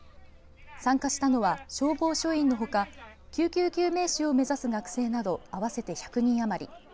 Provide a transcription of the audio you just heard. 参加したのは、消防署員のほか救急救命士を目指す学生など合わせて１００人余り。